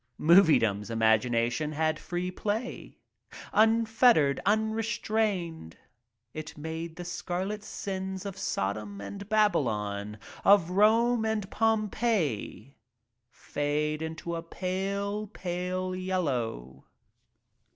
Moviedom's imagination had free play — un fettered, unrestrained it made the scarlet sins of Sodom and Babylon, of Rome and Pompeii fade into a pale, pale yellow!